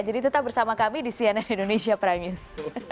tetap bersama kami di cnn indonesia prime news